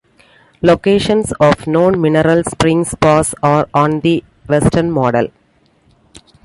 Locations of known mineral springs spas are on the Western model.